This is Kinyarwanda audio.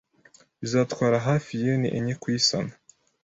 Bizatwara hafi yen enye kuyisana .